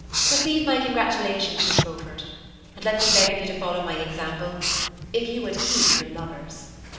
Receive my congratulations, Miss Beaufort, and let me beg of you to follow my example, if you would keep your lovers."